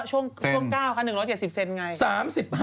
ช่วง๙๑๗๐เซนไง